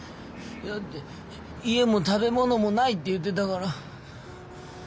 だって家も食べ物もないって言ってたから。